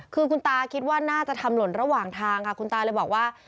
คือคุณตาคิดว่าน่าจะทำหล่นระหว่างทางค่ะคุณตาเลยบอกว่า